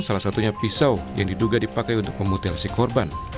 salah satunya pisau yang diduga dipakai untuk memutilasi korban